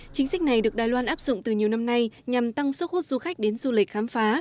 chính sách này được đài loan áp dụng từ nhiều năm nay nhằm tăng sức hút du khách đến du lịch khám phá